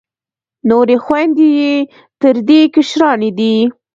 نورې خویندې یې تر دې کشرانې دي.